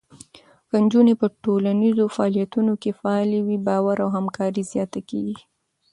که نجونې په ټولنیزو فعالیتونو کې فعاله وي، باور او همکاري زیاته کېږي.